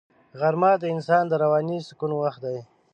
غرمه د انسان د رواني سکون وخت دی